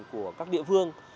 của các địa phương